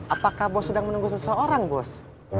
apakah bos sedang menunggu seseorang bos